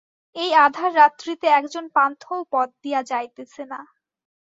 এই আঁধার রাত্রিতে একজন পান্থও পথ দিয়া যাইতেছে না।